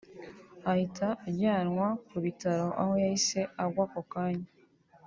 ahita ajyanwa ku bitaro aho yahise agwa ako kanya